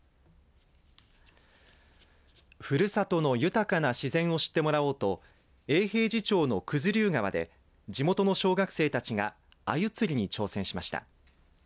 ふるさとの豊かな自然を知ってもらおうと永平寺町の九頭竜川で地元の小学生たちがアユ釣りに挑戦しました。